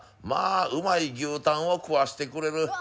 まあ、うまい牛たんを食わせてくれる。